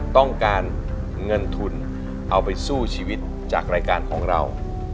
ต้องการเงินทุนเอาไปสู้ชีวิตจากรายการของเรา